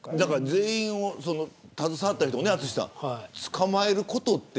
全員が携わった人を捕まえることは。